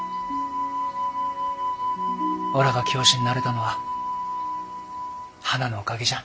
おらが教師んなれたのははなのおかげじゃん。